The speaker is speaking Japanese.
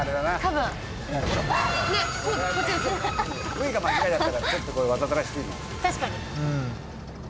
Ｖが間違いだったらちょっとわざとらし過ぎるな。